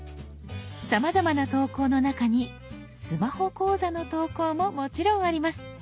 さまざまな投稿の中にスマホ講座の投稿ももちろんあります。